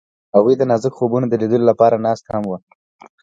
هغوی د نازک خوبونو د لیدلو لپاره ناست هم وو.